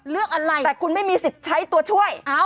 แต่คุณไม่มีสิทธิ์ใช้ตัวช่วย